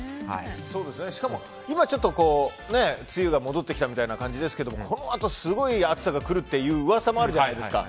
しかも今ちょっと梅雨が戻ってきたみたいな感じですがこのあと、すごい暑さが来るという噂もあるじゃないですか。